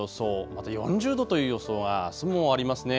また４０度という予想があすもありますね。